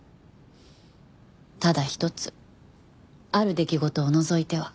ただ一つある出来事を除いては。